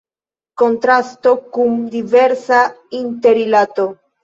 Kontrasto kun inversa interrilato.